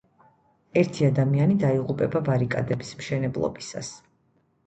ერთი ადამიანი დაიღუპა ბარიკადების მშენებლობისას.